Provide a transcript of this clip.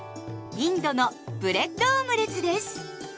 インドのブレッドオムレツです。